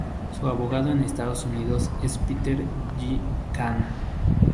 Su abogado en Estados Unidos es Peter J. Kahn.